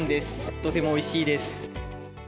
とてもおいしいです。